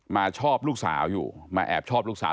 ชอบลูกสาวอยู่มาแอบชอบลูกสาว